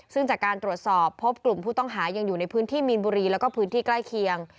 ซึ่งจากการตรวจสอบพบกลุ่มผู้ต้องหายังอยู่ในพื้นที่มีนบุรีแล้วก็พื้นที่ใกล้เคียง